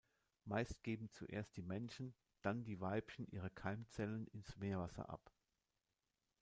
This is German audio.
Meist geben zuerst die Männchen, dann die Weibchen ihre Keimzellen ins Meerwasser ab.